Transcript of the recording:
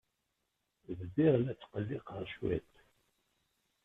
Bdiɣ la tqelliqeɣ cwiṭ.